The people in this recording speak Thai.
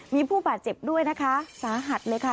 มีผู้บาดเจ็บด้วยนะคะสาหัสเลยค่ะ